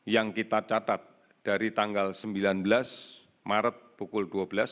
yang kita catat dari tanggal sembilan belas maret pukul dua belas